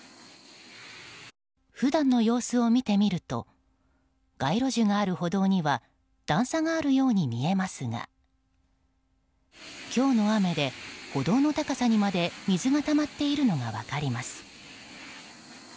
普段の様子を見てみると街路樹がある歩道には段差があるように見えますが今日の雨で、歩道の高さにまで水がたまっているのが分かります。